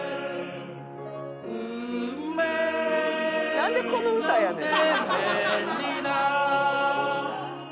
「なんでこの歌やねん」